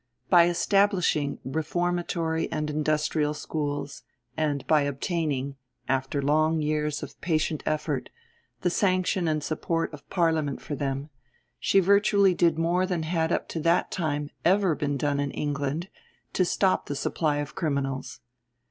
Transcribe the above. By establishing reformatory and industrial schools, and by obtaining, after long years of patient effort, the sanction and support of Parliament for them, she virtually did more than had up to that time ever been done in England, to stop the supply of criminals.